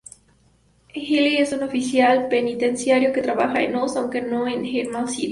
Healy es un oficial penitenciario que trabaja en Oz, aunque no en Emerald City.